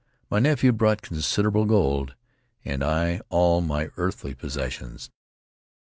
My nephew brought considerable gold, and I all my earthly possessions."